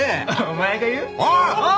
お前が言う？